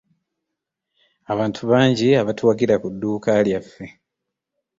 Abantu bangi abatuwagira ku dduuka lyaffe.